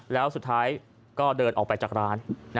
แล้วสุดท้ายก็เดินออกไปจากร้าน